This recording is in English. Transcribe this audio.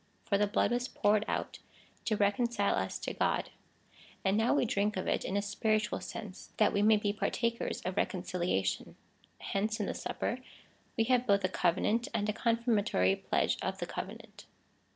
For the blood was poured out to reconcile us to God, and now we drink of it in a spiritual sense, that we may be partakers of reconciliation. Hence, in the Supper, we have both a covenant, and a confirmatory pledge of the covenant.